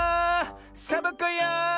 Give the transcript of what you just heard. サボ子よ！